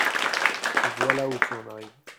Voilà où tu en arrives !